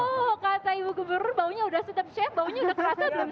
oh kata ibu gubernur baunya udah sedap chef baunya udah terasa belum chef